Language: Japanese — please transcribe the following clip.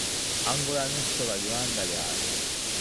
アンゴラの首都はルアンダである